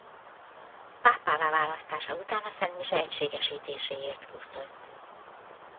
Pápává választása után a szentmise egységesítéséért küzdött.